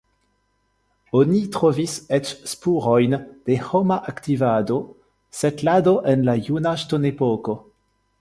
Oni trovis eĉ spurojn de homa aktivado, setlado en la juna ŝtonepoko.